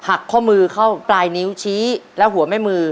ข้อมือเข้าปลายนิ้วชี้และหัวแม่มือ